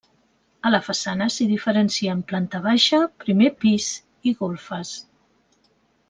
A la façana s'hi diferencien planta baixa, primer pis i golfes.